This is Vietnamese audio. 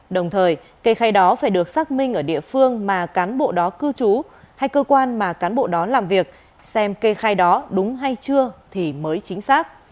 đồng thời kê khai đó phải được xác minh ở địa phương mà cán bộ đó cư trú hay cơ quan mà cán bộ đó làm việc xem kê khai đó đúng hay chưa thì mới chính xác